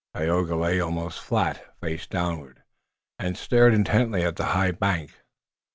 Tayoga lay almost flat, face downward, and stared intently at the high bank.